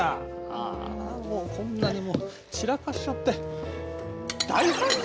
ああもうこんなに散らかしちゃってはっ！